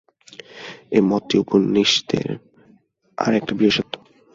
এই মতটি উপনিষদের আর এক বিশেষত্ব।